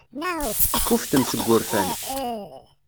Tekkufftem seg wurfan.